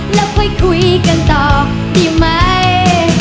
แล้วค่อยคุยกันต่อดีไหม